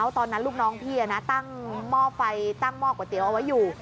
ตอนนั้นลูกน้องพี่ตั้งหม้อไฟตั้งหม้อก๋วยเตี๋ยวเอาไว้อยู่